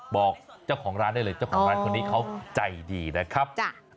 บอกเจ้าของร้านได้เลยเจ้าของร้านคนนี้เขาใจดีนะครับ